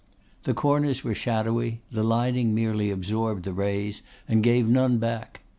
The corners were shadowy; the lining merely absorbed the rays and gave none back.